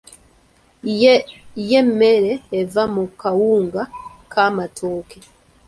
Ye mmere eva mu kawunga k'amatooke.